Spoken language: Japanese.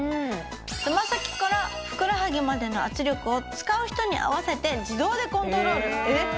つま先からふくらはぎまでの圧力を使う人に合わせて自動でコントロール。